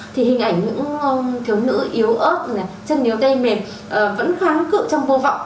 thì hình ảnh những thiếu nữ yếu ớt chân yếu tay mềm vẫn khoáng cự trong vô vọng